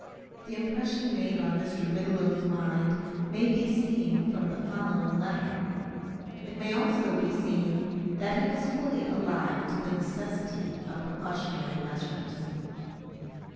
The impression made on Mr. Bigelow's mind may be seen from the following letter; it may also be seen that he was fully alive to the necessity of precautionary measures.